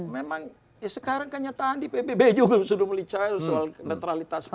memang ya sekarang kan nyata andi pbb juga sudah melicari soal netralitas presiden